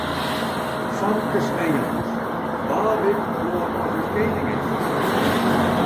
Famkes en jonges, wa wit hoe âld as ús koaning is?